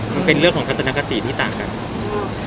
มันเป็นเรื่องของทัศนคติที่ต่างกัน